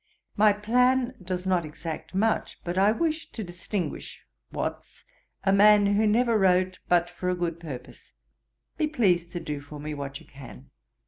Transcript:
My plan does not exact much; but I wish to distinguish Watts, a man who never wrote but for a good purpose. Be pleased to do for me what you can.